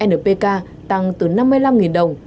npk tăng từ năm mươi năm đồng